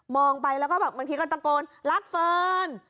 ไปแล้วก็แบบบางทีก็ตะโกนรักเฟิร์น